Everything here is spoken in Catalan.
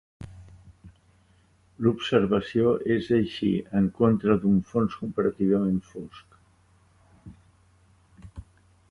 L'observació es així, en contra d'un fons comparativament fosc.